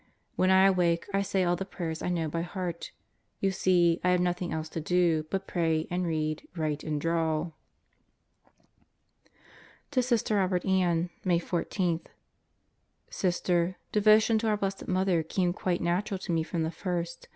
When I awake I say all the prayers I know by heart. You see, I have nothing else to do but pray and read, write and draw. To Sister Robert Ann, May 14: Sister, devotion to our Blessed Mother came quite natural to me from the first. ...